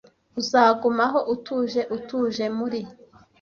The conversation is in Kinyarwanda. Uzagumaho, utuje, utuje muri